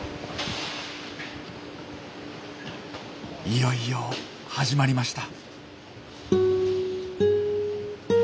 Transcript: いよいよ始まりました。